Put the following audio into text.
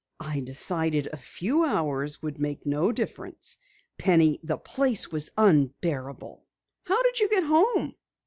"I decided a few hours would make no difference. Penny, the place was unbearable." "How did you get home?"